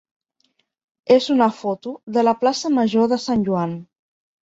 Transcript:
és una foto de la plaça major de Sant Joan.